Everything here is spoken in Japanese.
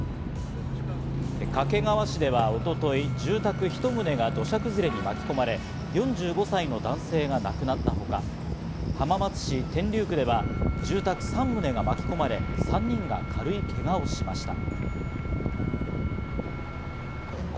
掛川市では一昨日、住宅１棟が土砂崩れに巻き込まれ４５歳の男性が亡くなったほか、浜松市天竜区では住宅３棟が巻き込まれ３人が軽いけがをしました。